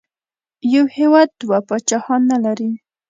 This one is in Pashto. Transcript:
یو هېواد دوه پاچاهان نه لري.